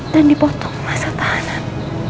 dan dipotong masa tahanan